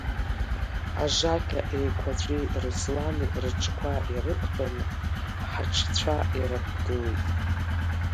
Ажакьа еиқәаҵәеи Руслани рыҽқәа ирықәтәаны ҳаҽцәа ираԥгылеит.